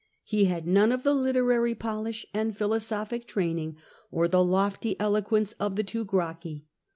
He had none of the literary polish, the philosophic training, or the lofty eloquence of the two Gracchi.